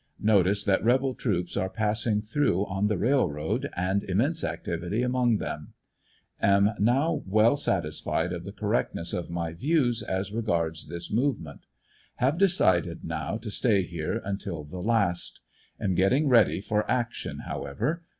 Notice that rebel troops are passing through on the railroad and immense activity among them. Am now well satisfied of the correctness of my views as re^jards this movement. Have decided now to stay here until the last. Am getting ready for action however.